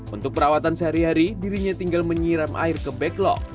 untuk perawatan sehari hari dirinya tinggal menyiram air ke backlog